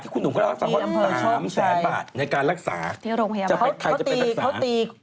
เขาตีราคามาแล้วหรือคะ